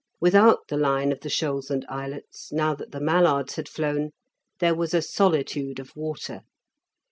Without the line of the shoals and islets, now that the mallards had flown, there was a solitude of water.